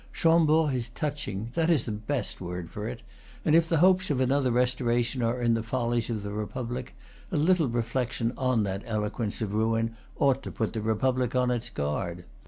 Chambord is touching, that is the best word for it; and if the hopes of another restoration are in the follies of the Republic, a little reflection on that eloquence of ruin ought to put the Republic on its guard.